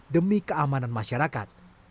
demi keamanan masyarakat